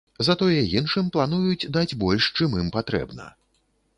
Затое іншым плануюць даць больш, чым ім патрэбна.